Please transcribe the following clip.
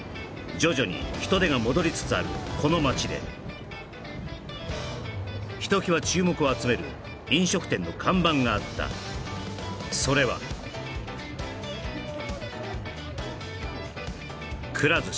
徐々に人出が戻りつつあるこの街でひときわ注目を集める飲食店の看板があったそれはくら寿司